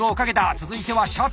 続いてはシャツ！